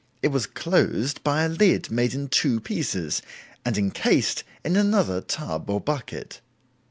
It was closed by a lid made in two pieces, and encased in another tub or bucket.